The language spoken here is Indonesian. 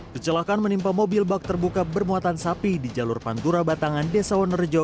kecelakaan menimpa mobil bak terbuka bermuatan sapi di jalur pantura batangan desa wonerejo